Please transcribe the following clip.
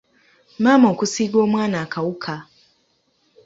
Maama okusiiga omwana akawuka.